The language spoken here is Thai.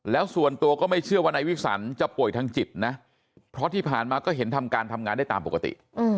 แล้วส่วนตัวก็ไม่เชื่อว่านายวิสันจะป่วยทางจิตนะเพราะที่ผ่านมาก็เห็นทำการทำงานได้ตามปกติ